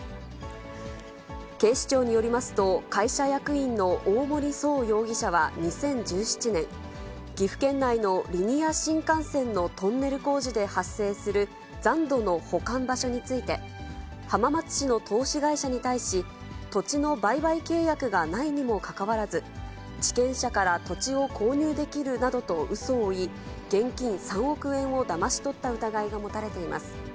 警視庁によりますと、会社役員の大森創容疑者は２０１７年、岐阜県内のリニア新幹線のトンネル工事で発生する残土の保管場所について、浜松市の投資会社に対し、土地の売買契約がないにもかかわらず、地権者から土地を購入できるなどとうそを言い、現金３億円をだまし取った疑いが持たれています。